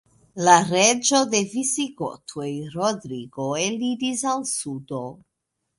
La reĝo de visigotoj Rodrigo eliris al sudo.